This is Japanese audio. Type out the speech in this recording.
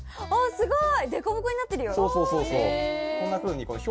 すごい！